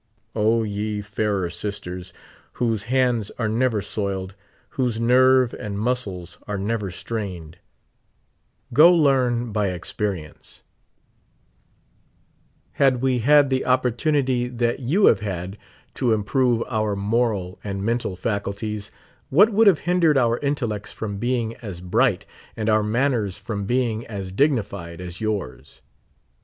O, ye fairer sisters, whose hands are never soiled, whose nervet and muscles are never strained, go learn 3* 58 by experience ! Had we had the opportunity that you have had to improve our moral and mental faculties, what would have hindered our intellects from being as bright, and our manners from being as dignified, as 3'ours?